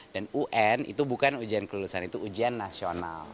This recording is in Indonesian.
dan un itu bukan ujian kelulusan itu ujian nasional